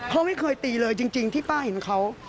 เขาไม่เคยตีเลยจริงที่ป้าเห็นเขา